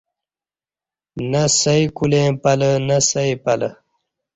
نہ سئی کولیں پلہ نہ سئی پلہ